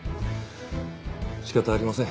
仕方ありません。